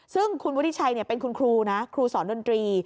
ซึ่งคุณวุฒิชัยเป็นคุณครูนะครูสอนดนตรี